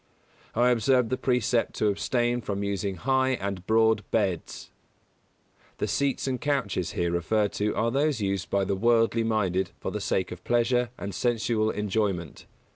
I observe the precept to abstain from using high and broad beds. The seats and couches here referred to are those used by the worldly minded for the sake of pleasure and sensual enjoyment.